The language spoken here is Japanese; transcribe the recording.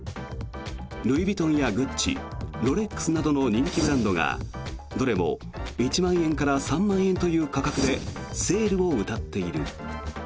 ルイ・ヴィトンやグッチロレックスなどの人気ブランドがどれも１万円から３万円という価格でセールをうたっている。